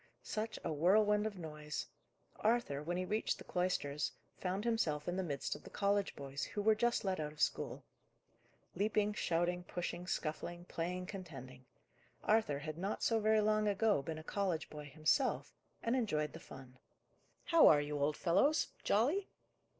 Such a whirlwind of noise! Arthur, when he reached the cloisters, found himself in the midst of the college boys, who were just let out of school. Leaping, shouting, pushing, scuffling, playing, contending! Arthur had not so very long ago been a college boy himself, and enjoyed the fun. "How are you, old fellows jolly?"